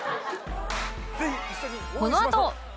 このあと